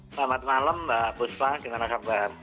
selamat malam mbak buspa gimana kabar